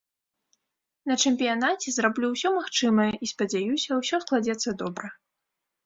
На чэмпіянаце зраблю ўсё магчымае і спадзяюся, усё складзецца добра.